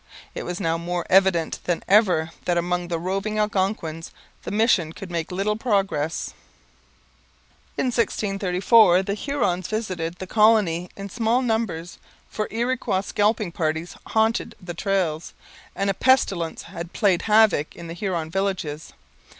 It was now more evident than ever that among the roving Algonquins the mission could make little progress. In 1634 the Hurons visited the colony in small numbers, for Iroquois scalping parties haunted the trails, and a pestilence had played havoc in the Huron villages.